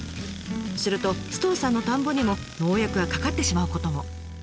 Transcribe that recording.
すると首藤さんの田んぼにも農薬がかかってしまうことも。